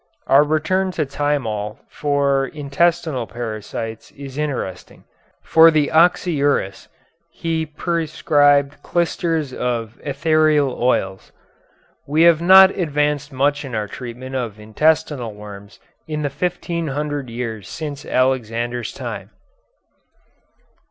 Our return to thymol for intestinal parasites is interesting. For the oxyuris he prescribed clysters of ethereal oils. We have not advanced much in our treatment of intestinal worms in the fifteen hundred years since Alexander's time.